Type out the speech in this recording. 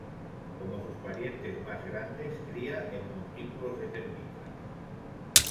Como sus parientes más grandes cría en montículos de termitas.